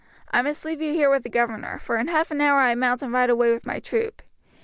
I must leave you here with the governor, for in half an hour I mount and ride away with my troop.